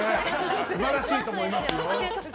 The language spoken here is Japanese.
素晴らしいと思いますよ。